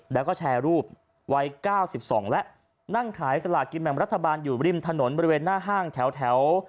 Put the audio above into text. แล้วก็แชร์รูปวัย๙๒แล้วนั่งขายสลากินแบ่งรัฐบาลอยู่ริมถนนบริเวณหน้าห้างแถว